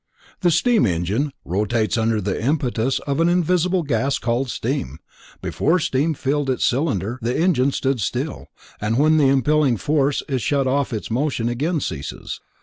The steam engine rotates under the impetus of an invisible gas called steam. Before steam filled its cylinder, the engine stood still, and when the impelling force is shut off its motion again ceases.